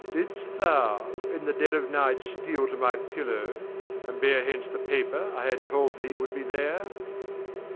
Didst thou, in the dead of night steal to my pillow, and bear hence the paper I had told thee would be there?